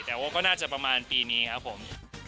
แต่ว่าก็น่าจะประมาณปีนี้ครับผม